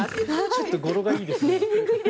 ちょっと語呂がいいですね。